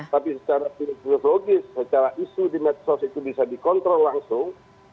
tapi secara filosogis secara isu di medsos itu bisa dikontrol langsung